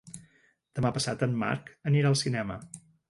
Demà passat en Marc anirà al cinema.